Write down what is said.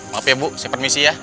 maaf ya bu saya permisi ya